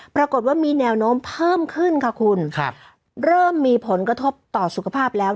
ปรากฏว่ามีแนวโน้มเพิ่มขึ้นค่ะคุณครับเริ่มมีผลกระทบต่อสุขภาพแล้ว